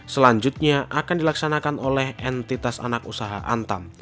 selanjutnya akan dilaksanakan oleh entitas anak usaha antam